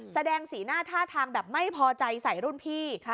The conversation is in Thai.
แสดงสีหน้าท่าทางแบบไม่พอใจใส่รุ่นพี่